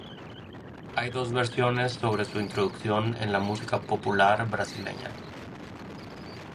Hay dos versiones sobre su introducción en la música popular brasileña.